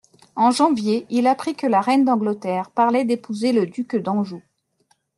En janvier, il apprit que la reine d'Angleterre parlait d'épouser le duc d'Anjou.